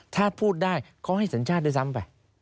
ถ้าพูดได้เขาให้สัญชาติด้วยซ้ำไป